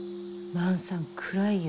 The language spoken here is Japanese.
万さん暗いよ。